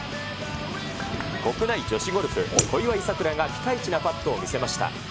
国内女子ゴルフ、小祝さくらがピカイチなパットを見せました。